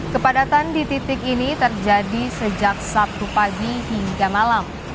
kepadatan di titik ini terjadi sejak sabtu pagi hingga malam